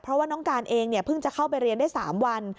เพราะว่าน้องการเองเนี่ยเพิ่งจะเข้าไปเรียนได้๓วัน